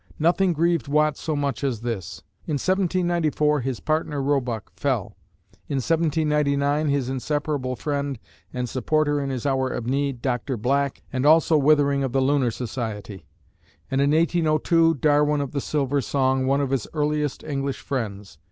Nothing grieved Watt so much as this. In 1794 his partner, Roebuck, fell; in 1799, his inseparable friend, and supporter in his hour of need, Dr. Black, and also Withering of the Lunar Society; and in 1802 Darwin "of the silver song," one of his earliest English friends.